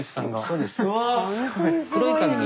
そうです。